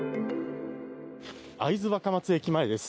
会津若松駅前です。